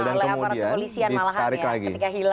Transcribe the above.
dan kemudian ditarik lagi